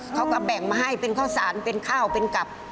เขาก็แบ่งมาให้เป็นข้าวสารเป็นข้าวเป็นกับ